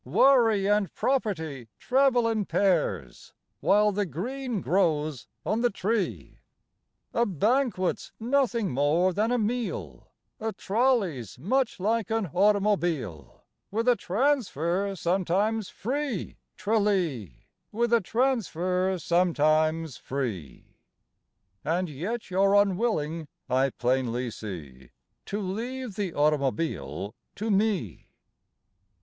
Worry and property travel in pairs, While the green grows on the tree. A banquet's nothing more than a meal; A trolley's much like an automobile, With a transfer sometimes free, Tra lee! With a transfer sometimes free! (And yet you're unwilling, I plainly see, To leave the automobile to me.)